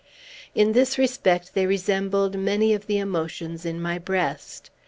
In this respect they resembled many of the emotions in my breast.